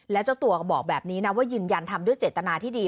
แล้วเจ้าตัวก็บอกแบบนี้นะว่ายืนยันทำด้วยเจตนาที่ดี